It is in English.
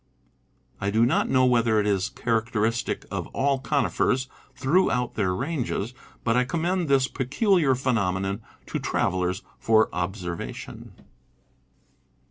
I do not know whether it is characteristic of all conifers, throughout their ranges; but I commend this peculiar phenomenon to travelers, for observation.